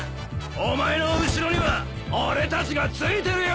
お前の後ろには俺たちがついてるよい！